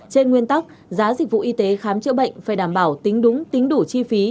trên nguyên tắc giá dịch vụ y tế khám chữa bệnh phải đảm bảo tính đúng tính đủ chi phí